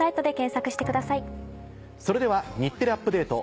それでは『日テレアップＤａｔｅ！』